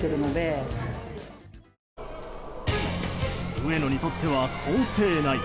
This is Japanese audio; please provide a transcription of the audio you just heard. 上野にとっては想定内。